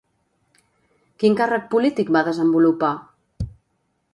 Quin càrrec polític va desenvolupar?